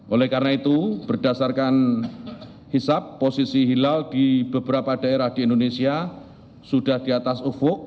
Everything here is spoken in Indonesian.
oleh karena itu berdasarkan hisap posisi hilal di beberapa daerah di indonesia sudah di atas ufuk